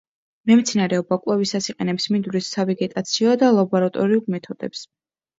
მემცენარეობა კვლევისას იყენებს მინდვრის სავეგეტაციო და ლაბორატორიულ მეთოდებს.